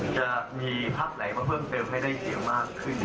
จะมีพักไหนมาเพิ่มเติมให้ได้เสียงมากขึ้น